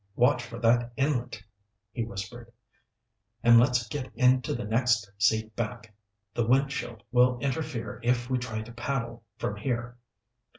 "Watch for that inlet," he whispered. "And let's get into the next seat back. The windshield will interfere if we try to paddle from here."